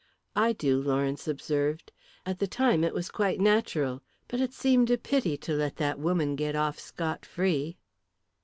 "I do," Lawrence observed. "At the time it was quite natural. But it seemed a pity to let that woman get off scot free."